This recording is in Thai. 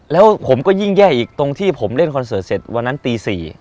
แล้วผมก็ยิ่งแย่อีกตรงที่ผมเล่นคอนเสิร์ตเสร็จวันนั้นตี๔